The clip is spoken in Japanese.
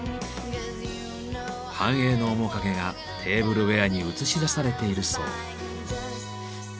繁栄の面影がテーブルウエアに映し出されているそう。